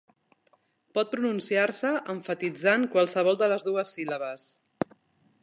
Pot pronunciar-se emfatitzant qualsevol de les dues síl·labes.